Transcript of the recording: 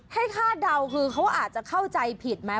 คาดเดาคือเขาอาจจะเข้าใจผิดไหม